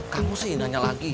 kamu sih nanya lagi